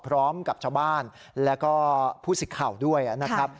พร้อมกับชาวบ้านแล้วก็ผู้สิทธิ์ข่าวด้วยนะครับ